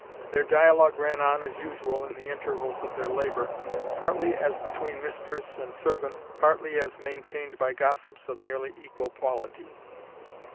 Their dialogue ran on as usual in the intervals of their labour, partly as between mistress and servant, partly as maintained by gossips of nearly equal quality.